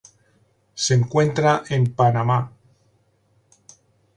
Se encuentra en Panamá.